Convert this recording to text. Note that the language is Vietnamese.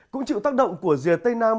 cũng chịu tác động của rìa tây nam